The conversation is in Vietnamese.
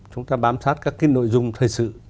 chúng ta bám sát các cái nội dung thời sự